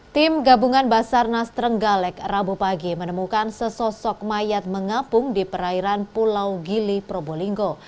tim gabungan basarnas trenggalek rabu pagi menemukan sesosok mayat mengapung di perairan pulau gili probolinggo